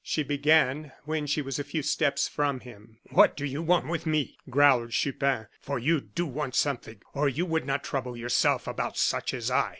she began, when she was a few steps from him. "What do you want with me?" growled Chupin; "for you do want something, or you would not trouble yourself about such as I."